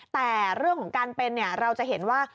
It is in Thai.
แต่เรื่องของการเป็นเราจะเห็นว่า